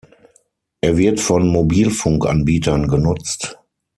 Er wird von Mobilfunkanbietern genutzt.